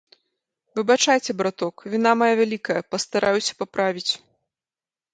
Выбачайце, браток, віна мая вялікая, пастараюся паправіць.